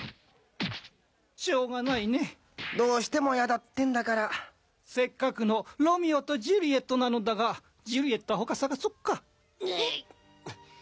しょうがないねどーしてもやだってんだからせっかくの「ロミオとジュリエット」なのだがジュリエットは他探そっかぬーぃっえっ？